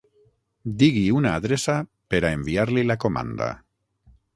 Digui una adreça per a enviar-li la comanda.